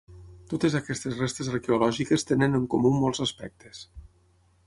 Totes aquestes restes arqueològiques tenen en comú molts aspectes.